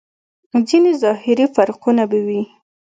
ځينې ظاهري فرقونه به وي.